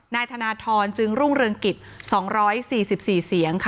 นายธนาทรจึงรุ่งเรืองกฤต๒๔๐เสียง